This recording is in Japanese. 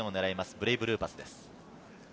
ブレイブルーパスです。